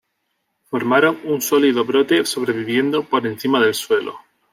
Forman un sólido brote sobreviviendo por encima del suelo.